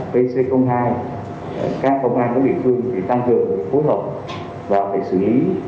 pc hai các công an các địa phương tăng cường phối hợp và phải xử lý